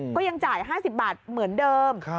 ก็ยังจ่าย๕๐บาทเหมือนเดิม